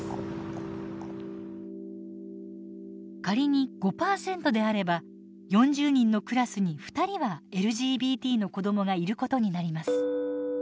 仮に５％であれば４０人のクラスに２人はＬＧＢＴの子どもがいることになります。